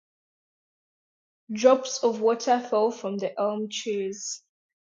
Drops of water fell from the elm-trees.